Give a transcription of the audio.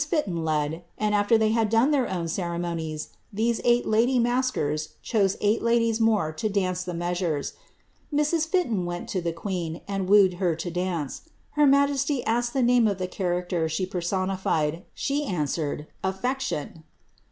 Fitton led ; and after they had done their own ceremonies, these eight lady maskers chose eight ladies more to dance the measures. ^Mrs. Fitton went to the queen, and wooed her to dance. Her majesty asked the name of the character she personified; she answered, ^Affection.'